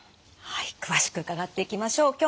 はい詳しく伺っていきましょう。